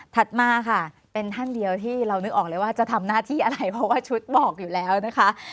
มาค่ะเป็นท่านเดียวที่เรานึกออกเลยว่าจะทำหน้าที่อะไรเพราะว่าชุดบอกอยู่แล้วนะคะ